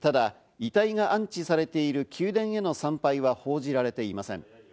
ただ遺体が安置されている宮殿への参拝は報じられていません。